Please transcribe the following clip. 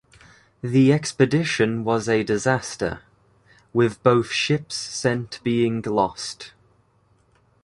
The expedition was a disaster, with both ships sent being lost.